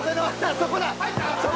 そこだ！